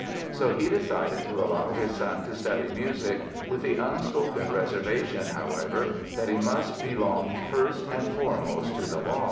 So he decided to allow his son to study music with the unspoken reservation, however, that he must belong first and foremost to the law.